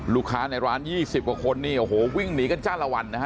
ลูกค้าในร้าน๒๐กว่าคนนี่โอ้โหวิ่งหนีกันจ้าละวันนะฮะ